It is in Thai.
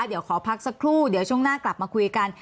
เดี๋ยวขอพักสักครู่เดี๋ยวช่วงหน้ากลับมาคุยกัน